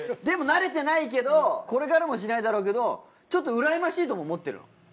でも慣れてないけどこれからもしないだろうけどちょっとうらやましいとも思ってるの。